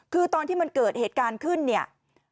คือตอนที่มันเกิดเหตุการณ์ขึ้นเนี่ย